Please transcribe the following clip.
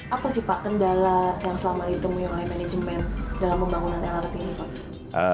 apa sih pak kendala yang selama ditemui oleh manajemen dalam pembangunan lrt ini pak